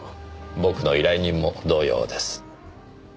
僕の依頼人も同様です。